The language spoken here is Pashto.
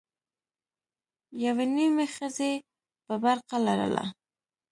يوې نيمې ښځې به برقه لرله.